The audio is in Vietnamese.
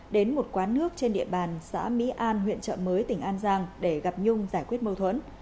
đến một quán nước trên địa bàn xã mỹ an huyện trợ mới tỉnh an giang để gặp nhung giải quyết mâu thuẫn